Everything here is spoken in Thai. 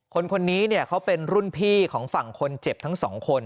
คนนี้เนี่ยเขาเป็นรุ่นพี่ของฝั่งคนเจ็บทั้งสองคน